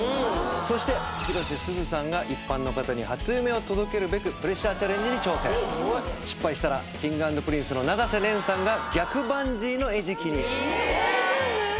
そして広瀬すずさんが一般の方に初夢を届けるべくプレッシャーチャレンジに挑戦失敗したらＫｉｎｇ＆Ｐｒｉｎｃｅの永瀬廉さんが逆バンジーの餌食に大丈夫？